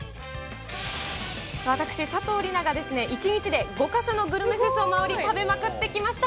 私、佐藤梨那が、１日で５か所のグルメフェスを回り、食べまくってきました。